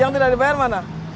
yang tidak dibayar mana